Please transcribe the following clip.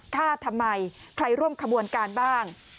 ทำไมใครร่วมขบวนการบ้าง